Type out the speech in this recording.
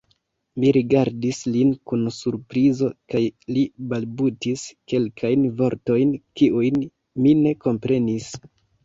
Mi rigardis lin kun surprizo kaj li balbutis kelkajn vortojn, kiujn mi ne komprenis.